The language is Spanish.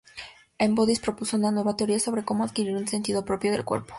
En "Bodies" propuso una nueva teoría sobre cómo adquirir un sentido propio del cuerpo.